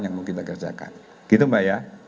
yang mau kita kerjakan gitu mbak ya